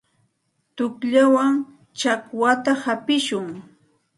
Tuqllawan chakwata hapishun.